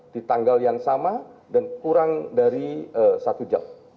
di tanggal yang sama dan kurang dari satu jam